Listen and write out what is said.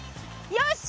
よし！